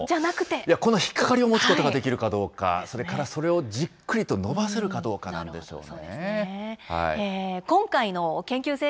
いや、この引っ掛かりを気付くことができるかどうか、それからそれをじっくりと伸ばせるかどうかなんでしょうね。